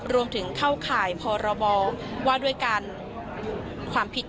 รวมถึงเข้าข่ายพรบว่าด้วยการความผิด